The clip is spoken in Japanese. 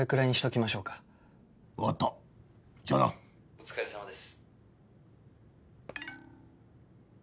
「お疲れさまです」